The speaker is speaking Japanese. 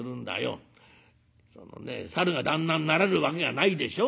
そのねサルが旦那になれるわけがないでしょ。